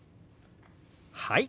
はい！